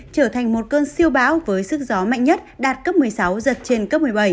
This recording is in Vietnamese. trở thành một cơn siêu bão với sức gió mạnh nhất đạt cấp một mươi sáu giật trên cấp một mươi bảy